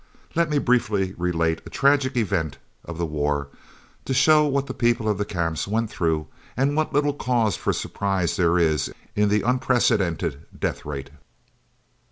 Let me briefly relate a tragic event of the war to show what the people of the camps went through and what little cause for surprise there is in the unprecedented death rate.